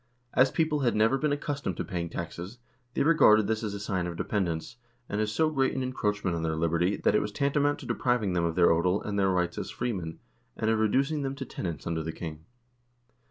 As people had never been accus tomed to paying taxes, they regarded this as a sign of dependence, and as so great an encroachment on their liberty that it was tanta mount to depriving them of their odel and their rights as freemen, and of reducing them to tenants under the king.